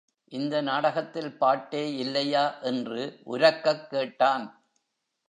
இந்த நாடகத்தில் பாட்டே இல்லையா? என்று உரக்கக் கேட்டான்!